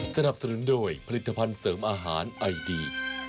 สนับสนุนโดยผลิตภัณฑ์เสริมอาหารไอดี